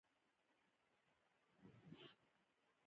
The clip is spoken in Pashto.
دا ملي پروژه ده.